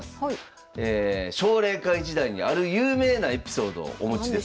奨励会時代にある有名なエピソードをお持ちです。